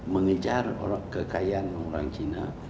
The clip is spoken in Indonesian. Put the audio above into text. mengejar kekayaan orang cina